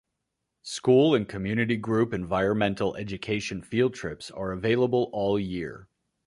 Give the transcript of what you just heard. School and community group environmental education field trips are available all year.